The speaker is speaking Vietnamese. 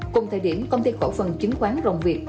cùng thời điểm công ty cổ phần chứng khoán rồng việt